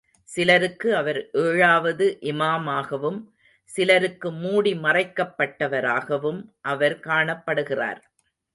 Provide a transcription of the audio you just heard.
சிலருக்கு அவர் ஏழாவது இமாமாகவும் சிலருக்கு மூடிமறைக்கப் பட்டவராகவும் அவர் காணப்படுகிறார்.